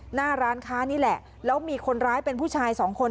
หน้าร้านค้านี่แหละแล้วมีคนร้ายเป็นผู้ชายสองคน